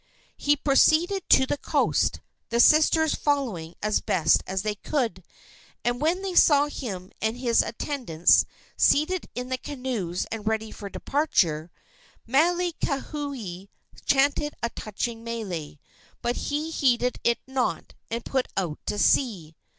He proceeded to the coast, the sisters following as best they could, and when they saw him and his attendants seated in the canoes and ready for departure, Maile kaluhea chanted a touching mele; but he heeded it not and put out to sea.